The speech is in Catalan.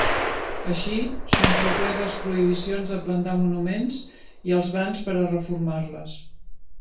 Així, són freqüents les prohibicions de plantar monuments i els bans per a reformar-les.